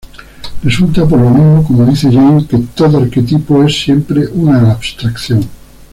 Resulta, por lo mismo, como dice Janet, que ""todo arquetipo es siempre una abstracción"".